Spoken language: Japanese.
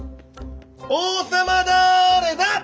王様だれだ？